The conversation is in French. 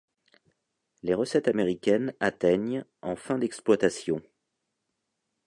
Les recettes américaines atteignent en fin d'exploitation.